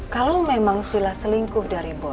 kalau memang sila selingkuh